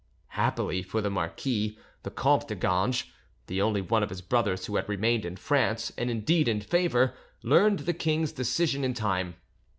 Happily for the marquis, the Comte de Ganges, the only one of his brothers who had remained in France, and indeed in favour, learned the king's decision in time.